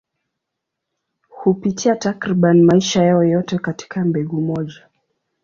Hupitia takriban maisha yao yote katika mbegu moja.